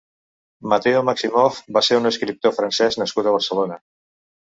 Matéo Maximoff va ser un escriptor francès nascut a Barcelona.